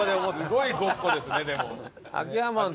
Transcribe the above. すごいごっこですねでも。